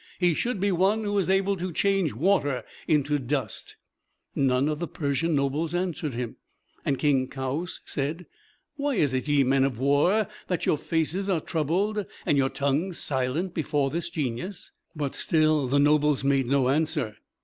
He should be one who is able to change water into dust." None of the Persian nobles answered him, and King Kaoüs said, "Why is it, ye men of war, that your faces are troubled, and your tongues silent before this Genius?" But still the nobles made no answer.